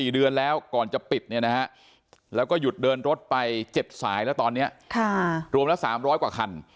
เดินรถไป๗สายแล้วตอนนี้รวมละ๓๐๐กว่าคัน